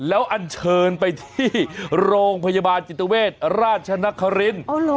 แล้วอันเชิญไปที่โรงพยาบาลจิตเวชราชนครินทร์